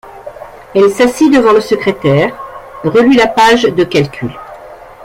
Elle s’assit devant le secrétaire, relut la page de calculs.